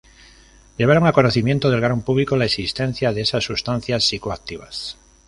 Llevaron a conocimiento del gran público la existencia de esas sustancias psicoactivas.